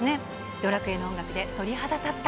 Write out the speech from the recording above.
ドラクエの音楽で鳥肌立った。